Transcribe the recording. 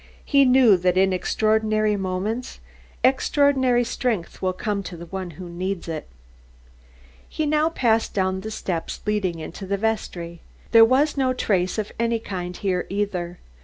He knew that in extraordinary moments extraordinary strength will come to the one who needs it. He now passed down the steps leading into the vestry. There was no trace of any kind here either.